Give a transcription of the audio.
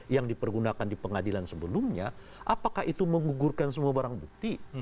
yang dipergunakan di pengadilan sebelumnya apakah itu menggugurkan semua barang bukti